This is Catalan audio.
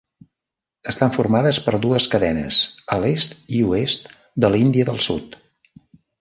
Estan formades per dues cadenes a l'est i oest de l'Índia del sud.